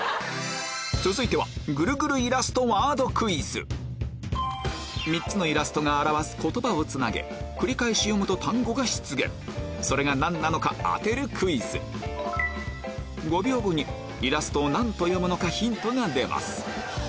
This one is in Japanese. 続いては３つのイラストが表す言葉をつなげ繰り返し読むと単語が出現それが何なのか当てるクイズ５秒後にイラストを何と読むのかヒントが出ます